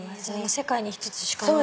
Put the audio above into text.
世界に一つしかない。